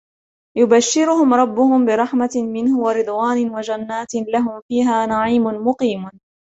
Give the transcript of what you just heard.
يُبَشِّرُهُمْ رَبُّهُمْ بِرَحْمَةٍ مِنْهُ وَرِضْوَانٍ وَجَنَّاتٍ لَهُمْ فِيهَا نَعِيمٌ مُقِيمٌ